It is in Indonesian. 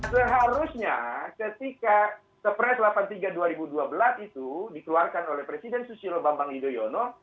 seharusnya ketika kepres delapan puluh tiga dua ribu dua belas itu dikeluarkan oleh presiden susilo bambang yudhoyono